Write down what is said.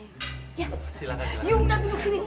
yuk duduk sini